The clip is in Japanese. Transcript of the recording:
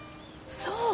そう。